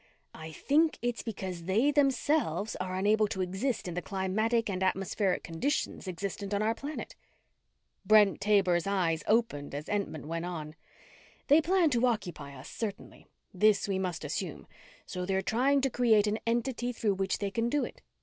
"I think it's because they themselves are unable to exist in the climatic and atmospheric conditions existent on our planet." Brent Taber's eyes opened as Entman went on. "They plan to occupy us, certainly this we must assume so they're trying to create an entity through which they can do it.